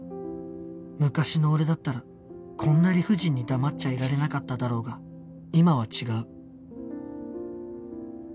昔の俺だったらこんな理不尽に黙っちゃいられなかっただろうが今は違う